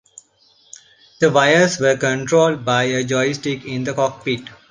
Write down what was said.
The wires were controlled by a joystick in the cockpit.